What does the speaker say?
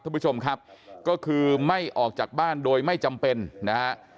ท่านผู้ชมครับก็คือไม่ออกจากบ้านโดยไม่จำเป็นนะฮะ